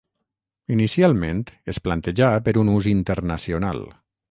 Inicialment es plantejà per un ús internacional.